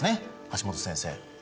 橋本先生。